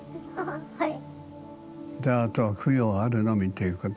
はい。